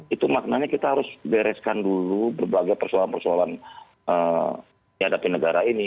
itu maknanya kita harus bereskan dulu berbagai persoalan persoalan dihadapi negara ini